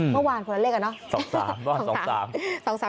เมื่อวานคนละเลขอะเนาะ